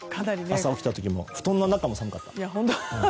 朝起きた時布団の中も寒かった。